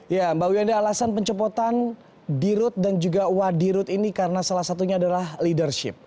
ya mbak uyanda alasan pencepotan d route dan juga wadi route ini karena salah satunya adalah leadership